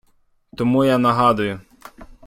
Тому я нагадую